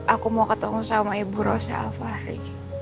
aku mau ketemu sama ibu rosa alfari